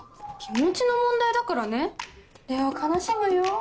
気持ちの問題だからねれお悲しむよ？